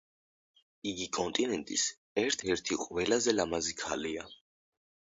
იგი კონტინენტის ერთ-ერთი ყველაზე ლამაზი ქალაქია.